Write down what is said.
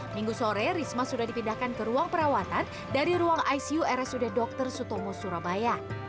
minggu sore risma sudah dipindahkan ke ruang perawatan dari ruang icu rsud dr sutomo surabaya